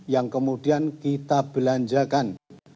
yang kemudian kita belanjakan